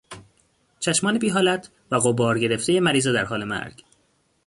چشمان بیحالت و غبار گرفتهی مریض در حال مرگ